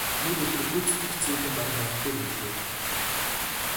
Нэг өдөр гүйцэтгэх цехийн дарга над дээр ирлээ.